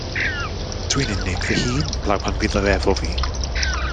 Dw i'n unig fy hun 'blaw pan fydd o efo fi.